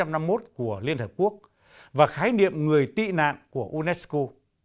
năm hai nghìn một của liên hợp quốc và khái niệm người tị nạn của unesco